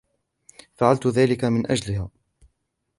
فعلت ذلك من أجلها.